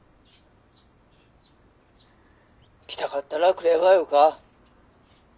☎来たかったら来ればよか。